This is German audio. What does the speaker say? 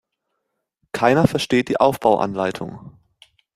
Keiner versteht die Aufbauanleitung.